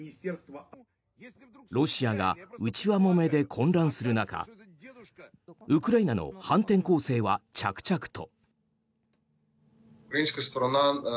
ロシアが内輪もめで混乱する中ウクライナの反転攻勢は着々と。